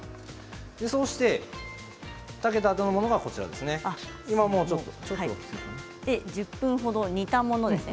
そして炊けたものを１０分ほど煮たものですね。